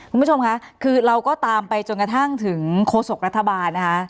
คุณผู้ชมค่ะคือเราก็ตามไปจนกระทั่งถึงโฆษกรัฐบาลนะคะ